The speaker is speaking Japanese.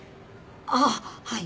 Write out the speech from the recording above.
あっはい。